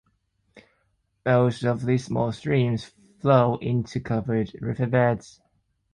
Most of these small streams flow into covered riverbeds.